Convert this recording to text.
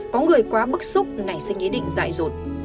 có người quá bức xúc nảy sinh ý định dại dột